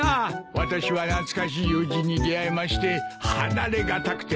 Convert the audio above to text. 私は懐かしい友人に出会いまして離れ難くてはしご酒を。